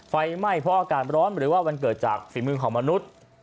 ไฟไหม้เพราะอากาศร้อนหรือว่ามันเกิดจากฝีมือของมนุษย์